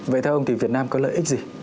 vậy theo ông thì việt nam có lợi ích gì